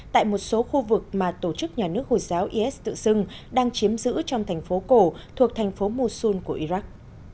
tại một số khu vực mà tổ chức nhà nước hồi giáo is tự xưng đang chiếm giữ trong thành phố cổ thuộc thành phố musun của iraq